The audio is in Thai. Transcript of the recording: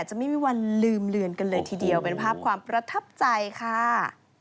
จะไม่มีวันลืมเลือนกันเลยทีเดียวเป็นภาพความประทับใจค่ะ